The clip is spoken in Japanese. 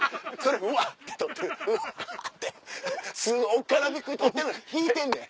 おっかなびっくり捕ってんのに引いてんねん。